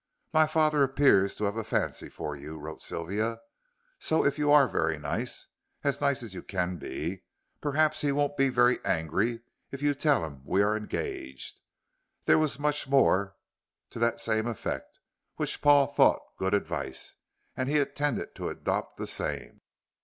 "My father appears to have a fancy for you," wrote Sylvia, "so if you are very nice as nice as you can be perhaps he won't be very angry if you tell him we are engaged." There was much more to the same effect, which Paul thought good advice, and he intended to adopt the same.